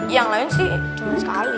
yang lain sih sekali